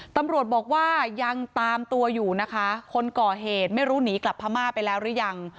ตำรวจบอกว่ายังตามตัวอยู่นะคะคนก่อเหตุไม่รู้หนีกลับพม่าไปแล้วหรือยัง